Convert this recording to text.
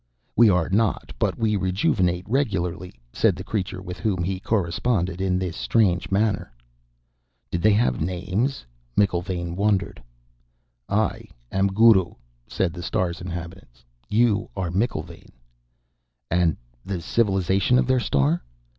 "We are not, but we rejuvenate regularly," said the creature with whom he corresponded in this strange manner. Did they have names? McIlvaine wondered. "I am Guru," said the star's inhabitant. "You are McIlvaine." And the civilization of their star?